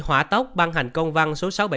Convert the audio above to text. hỏa tốc ban hành công văn số sáu trăm bảy mươi